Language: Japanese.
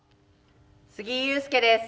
杉井勇介です。